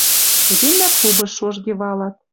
Эдемвлӓ клубыш шожге валат.